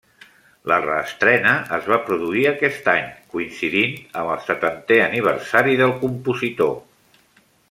La reestrena es va produir aquest any, coincidint amb el setantè aniversari del compositor.